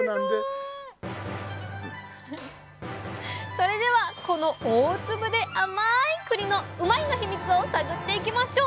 それではこの大粒で甘いくりのうまいッ！のヒミツを探っていきましょう！